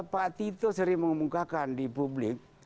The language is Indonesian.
pak tito sering mengumumkakan di publik